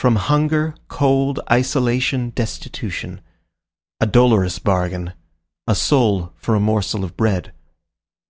From hunger, cold, isolation, destitution. A dolorous bargain. A soul for a morsel of bread.